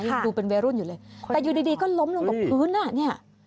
ยังดูเป็นวัยรุ่นอยู่เลยแต่อยู่ดีก็ล้มลงกับพื้นอ่ะเนี่ย